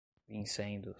vincendos